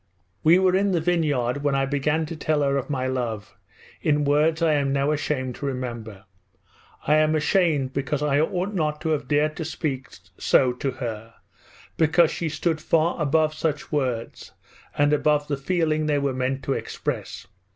We were in the vineyard when I began to tell her of my love, in words I am now ashamed to remember. I am ashamed because I ought not to have dared to speak so to her because she stood far above such words and above the feeling they were meant to express.